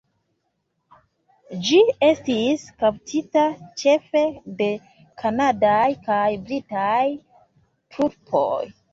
Ĝi estis kaptita ĉefe de kanadaj kaj britaj trupoj.